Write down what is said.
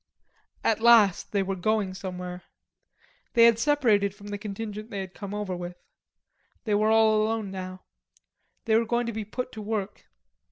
At last they were going somewhere. They had separated from the contingent they had come over with. They were all alone now. They were going to be put to work.